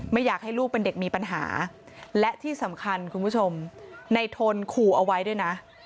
ไม่อยากให้ลูกเป็นเด็กมีปัญหาและที่สำคัญคุณผู้ชมในทนขู่เอาไว้ด้วยนะ